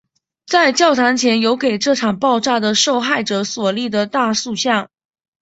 在教堂前有给这场爆炸的受害者所立的大塑像。